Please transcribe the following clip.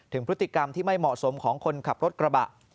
ถึงพฤติกรรมที่ไม่เหมาะสมของคนขับรถกระบะ